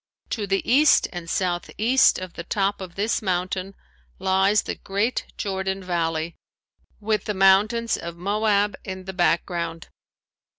To the east and southeast of the top of this mountain lies the great Jordan valley with the mountains of Moab in the background.